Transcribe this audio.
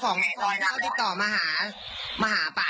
ขอบคุณไอ้บายได้แหละ